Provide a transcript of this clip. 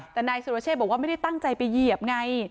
แต่นายสุรเชษบอกว่าไม่ได้ตั้งใจไปเหยียบไง